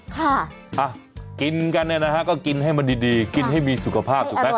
ค่ะกินกันเนี่ยนะฮะก็กินให้มันดีกินให้มีสุขภาพถูกไหม